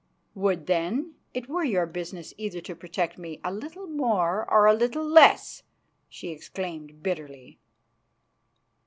"Would, then, it were your business either to protect me a little more, or a little less!" she exclaimed bitterly.